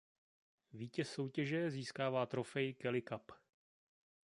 Vítěz soutěže získává trofej Kelly Cup.